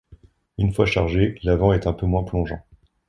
Une fois chargé, l'avant est un peu moins plongeant.